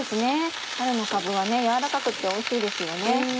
春のかぶは軟らかくっておいしいですよね。